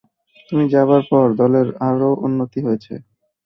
তুমি যাবার পর দলের আরও উন্নতি হয়েছে।